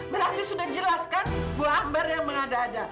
berarti sudah jelas kan bu ambar yang mengada ada